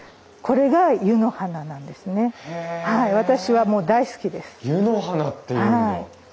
「湯の花」っていうんだ。